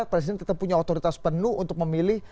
presiden kita punya otoritas penuh untuk memilih